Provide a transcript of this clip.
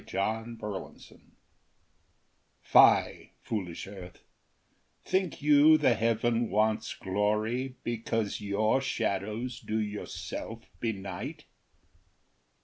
CiELICA 45 XVI Fie, foolish earth, think you the heaven wants glory, Because your shadows do yourself benight